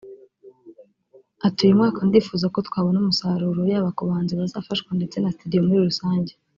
Ati “ Uyu mwaka ndifuza ko twabona umusaruro yaba ku bahanzi bazafashwa ndetse na studio muri rusange